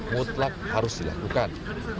mutlak harus dilakukan